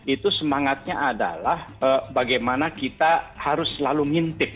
itu semangatnya adalah bagaimana kita harus selalu ngintip